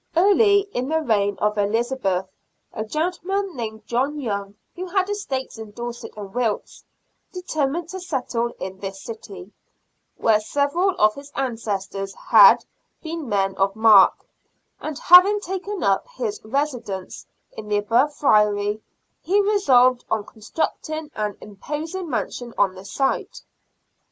Early in the reign of Elizabeth a gentleman named John Young, who had estates in Dorset and Wilts, determined to settle in this city, where several of his ancestors had been men of mark ; and having taken up his residence in the above Friary, he resolved on constructing an imposing mansion on the site.